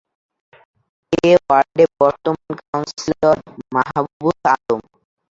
এ ওয়ার্ডের বর্তমান কাউন্সিলর মাহবুবুল আলম।